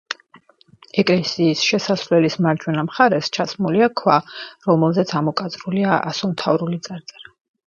ეკლესიის შესასვლელის მარჯვენა მხარეს ჩასმულია ქვა, რომელზეც ამოკაწრულია ასომთავრული წარწერა.